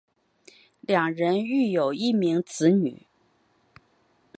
两人育有一名子女。